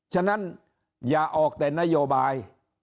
ฉะนั้นอย่าออกแต่นโยบาย